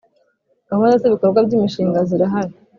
Gahunda z ‘ibikorwa by’imishinga zirahari.